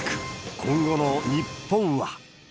今後の日本は？